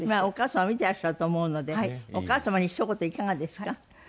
お母様見ていらっしゃると思うのでお母様にひと言いかがですか？